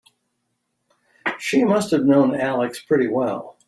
She must have known Alex pretty well.